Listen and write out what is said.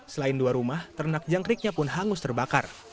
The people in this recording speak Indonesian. selain dua rumah ternak jangkriknya pun hangus terbakar